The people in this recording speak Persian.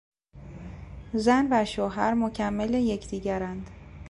زن و شوهر مکمل یکدیگرند.